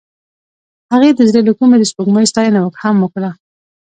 هغې د زړه له کومې د سپوږمۍ ستاینه هم وکړه.